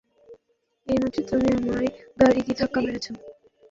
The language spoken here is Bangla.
এইমাত্র তুমি আমায় গাড়ি দিয়ে ধাক্কা মেরেছো!